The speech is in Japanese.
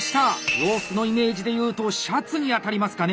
洋服のイメージでいうとシャツにあたりますかね。